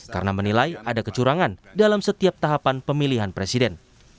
karena menilai ada kecurangan dalam setiap tahapan pemilihan presiden